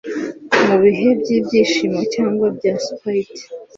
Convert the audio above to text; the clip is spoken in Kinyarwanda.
mubihe byibyishimo cyangwa bya spite